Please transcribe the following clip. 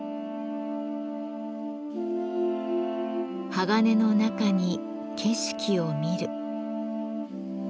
鋼の中に景色を見る。